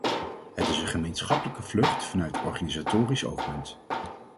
Het is een gemeenschappelijke vlucht vanuit organisatorisch oogpunt.